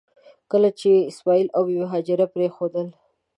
کله چې یې اسماعیل او بي بي هاجره پرېښودل.